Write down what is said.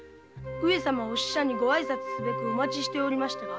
御使者にご挨拶すべくお待ちしておりましたが。